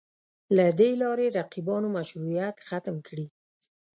له دې لارې رقیبانو مشروعیت ختم کړي